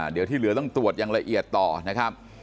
เดี๋ยวที่เหลือต้องตรวจอย่างละเอียดต่อนะครับ